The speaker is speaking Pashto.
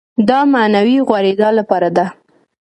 دا معنوي غوړېدا لپاره ده.